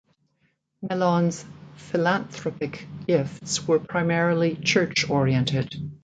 Mellon's philanthropic gifts were primarily church-oriented.